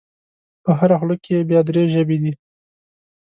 په هره خوله کې یې بیا درې ژبې دي.